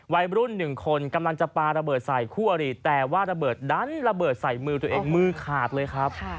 วัยรุ่นหนึ่งคนกำลังจะปาระเบิดใส่คู่อริแต่ว่าระเบิดดันระเบิดใส่มือตัวเองมือขาดเลยครับ